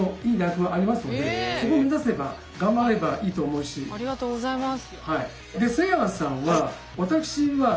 うわっありがとうございます。